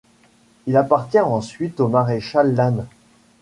Il appartient ensuite au maréchal Lannes.